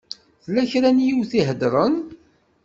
Tella kra n yiwet i iheddṛen.